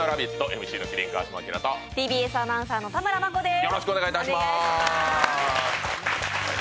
ＭＣの麒麟・川島明とＴＢＳアナウンサーの田村真子です。